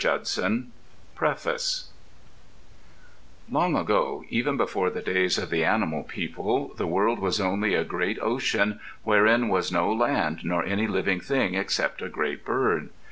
Publishers PREFACE Long ago, even before the days of the animal people, the world was only a great ocean wherein was no land nor any living thing except a great Bird.